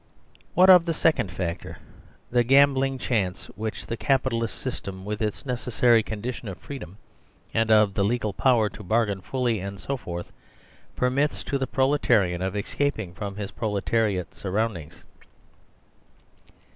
What of the second factor, the gambling chance which the Capitalist system, with its necessary con dition of freedom, of the legal power to bargain fully, and so forth, permits to the proletarian of escaping from his proletariat surroundings